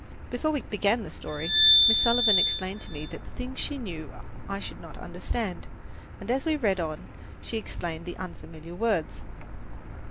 Before we began the story Miss Sullivan explained to me the things that she knew I should not understand, and as we read on she explained the unfamiliar words.